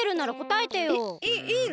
えっいいの？